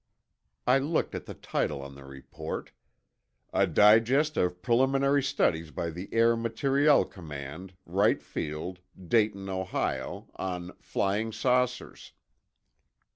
I looked at the title on the report: "A Digest of Preliminary Studies by the Air Materiel Command, Wright Field, Dayton, Ohio, on 'Flying Saucers.